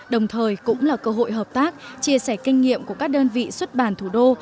đồng thời cũng là cơ hội hợp tác chia sẻ kinh nghiệm của các đơn vị xuất bản thủ đô